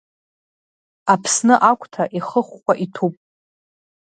Аԥсны агәҭа, ихыхәхәа иҭәуп.